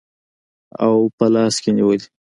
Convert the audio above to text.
او په لاس کې نیولي